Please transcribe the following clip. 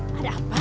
tuh ada apa